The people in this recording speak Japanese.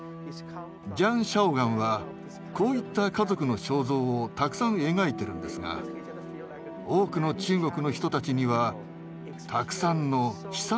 ジャン・シャオガンはこういった家族の肖像をたくさん描いてるんですが多くの中国の人たちにはたくさんの悲惨な記憶がありました。